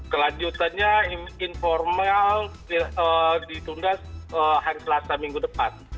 kelanjutannya informal ditunda hari selasa minggu depan